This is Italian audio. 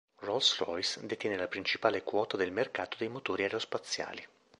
Rolls-Royce detiene la principale quota del mercato dei motori aerospaziali.